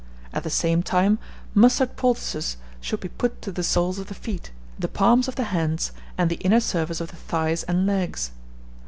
At the same time, mustard poultices should be put to the soles of the feet, the palms of the hands, and the inner surface of the thighs and legs.